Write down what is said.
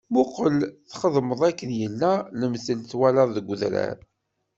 Muqel txedmeḍ akken yella lemtel i twalaḍ deg udrar.